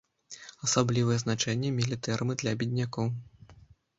Асаблівае значэнне мелі тэрмы для беднякоў.